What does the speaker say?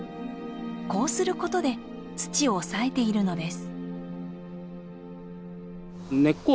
こうすることで土を抑えているのです。